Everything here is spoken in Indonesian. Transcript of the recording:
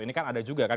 ini kan ada juga kan